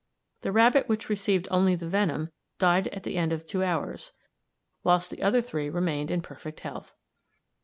The rabbit which received only the venom died at the end of two hours, whilst the other three remained in perfect health.